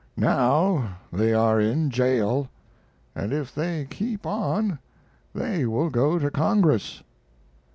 Now they are in jail, and if they keep on they will go to Congress.